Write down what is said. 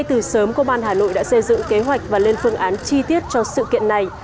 từ sớm công an hà nội đã xây dựng kế hoạch và lên phương án chi tiết cho sự kiện này